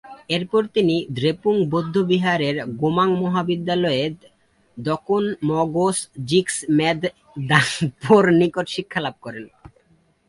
এরপর তিনি দ্রেপুং বৌদ্ধবিহারের গোমাং মহাবিদ্যালয়ে দ্কোন-ম্ছোগ-'জিগ্স-মেদ-দ্বাং-পোর নিকট শিক্ষালাভ করেন।